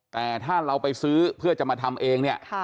แต่ถ้าเราไปซื้อเพื่อจะมาทำเองเนี่ย